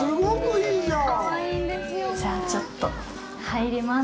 じゃあ、ちょっと入ります。